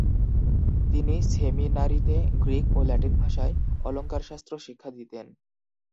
তিনি সেমিনারিতে গ্রিক ও ল্যাটিন ভাষায় অলঙ্কারশাস্ত্র শিক্ষা দিতেন।